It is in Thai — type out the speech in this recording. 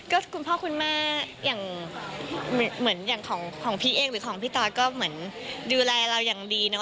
ก็คุณพ่อคุณแม่อย่างเหมือนอย่างของพี่เอกหรือของพี่ตอสก็เหมือนดูแลเราอย่างดีเนาะ